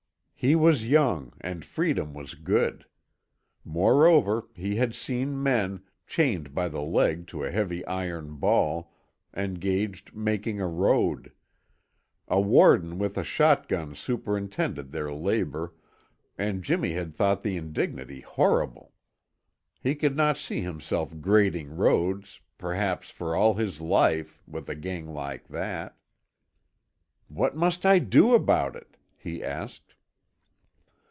He was young and freedom was good. Moreover, he had seen men, chained by the leg to a heavy iron ball, engaged making a road. A warden with a shot gun superintended their labor, and Jimmy had thought the indignity horrible. He could not see himself grading roads, perhaps for all his life, with a gang like that. "What must I do about it?" he asked.